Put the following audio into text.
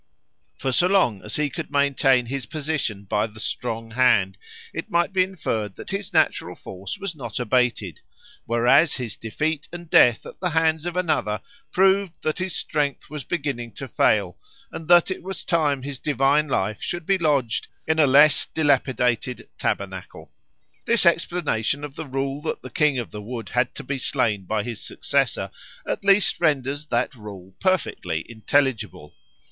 For so long as he could maintain his position by the strong hand, it might be inferred that his natural force was not abated; whereas his defeat and death at the hands of another proved that his strength was beginning to fail and that it was time his divine life should be lodged in a less dilapidated tabernacle. This explanation of the rule that the King of the Wood had to be slain by his successor at least renders that rule perfectly intelligible.